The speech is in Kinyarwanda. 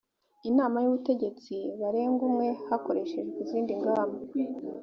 inama y ubutegetsi barenga umwe hakoreshejwe izindi ngamba